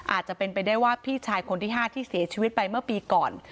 อาจจะเป็นไปได้ว่าพี่ชายคนที่๕ที่เสียชีวิตไปเมื่อปีก่อน